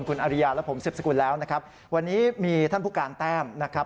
คุณอริยาและผมสิบสกุลแล้วนะครับวันนี้มีท่านผู้การแต้มนะครับ